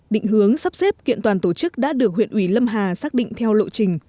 định hướng sắp xếp kiện toàn tổ chức đã được huyện ủy lâm hà xác định theo lộ trình